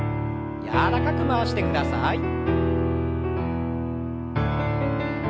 柔らかく回してください。